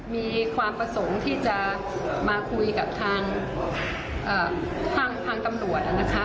มีความประสงค์ที่จะมาคุยกับทางตำรวจนะคะ